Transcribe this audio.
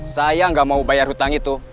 saya nggak mau bayar hutang itu